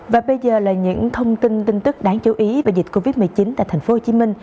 và bây giờ là những thông tin tin tức đáng chú ý về dịch covid một mươi chín tại tp hcm